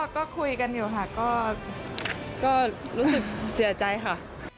ก็คุยกันอยู่ค่ะก็รู้สึกเสียใจค่ะ